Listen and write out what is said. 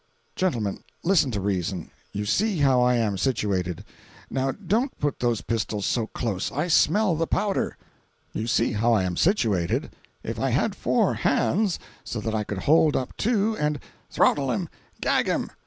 "Gentlemen, listen to reason. You see how I am situated—now don't put those pistols so close—I smell the powder. "You see how I am situated. If I had four hands—so that I could hold up two and—" "Throttle him! Gag him!